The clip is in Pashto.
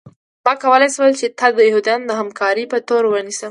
ما کولی شول چې تا د یهودانو د همکارۍ په تور ونیسم